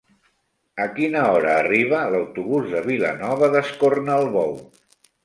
A quina hora arriba l'autobús de Vilanova d'Escornalbou?